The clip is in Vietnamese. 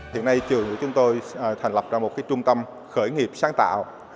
hiện nay trường của chúng tôi thành lập ra một trung tâm khởi nghiệp sáng tạo